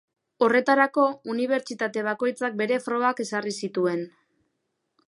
Horretarako, unibertsitate bakoitzak bere frogak ezarri zituen.